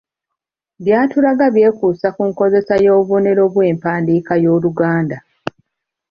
By'atulaga byekuusa ku nkozesa y'obubonero bw'empandiika y'Oluganda.